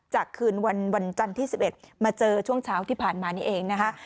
จากคืนวันวันจันทร์ที่สิบเอ็ดมาเจอช่วงเช้าที่ผ่านมานี่เองนะคะ